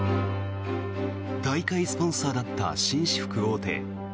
大会スポンサーだった紳士服大手